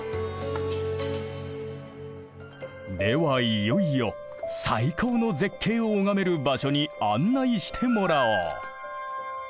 ではいよいよ最高の絶景を拝める場所に案内してもらおう。